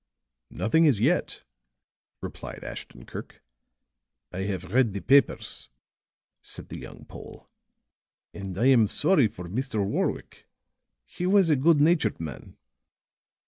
"Nothing as yet," replied Ashton Kirk. "I have read the papers," said the young Pole, "and I am sorry for Mr. Warwick. He was a good natured man."